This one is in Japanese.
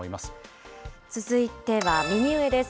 続いては右上です。